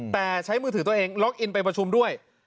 แต่ใช้มือถือตัวเองล็อกอินไปประชุมด้วย